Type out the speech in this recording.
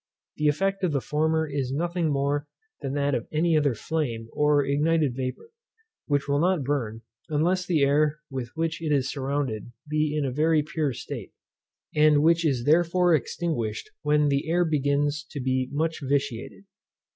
The effect of the former is nothing more than that of any other flame, or ignited vapour, which will not burn, unless the air with which it is surrounded be in a very pure state, and which is therefore extinguished when the air begins to be much vitiated.